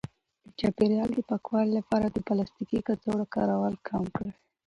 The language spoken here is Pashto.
د چاپیریال د پاکوالي لپاره د پلاستیکي کڅوړو کارول کم کړئ.